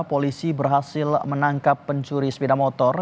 polisi berhasil menangkap pencuri sepeda motor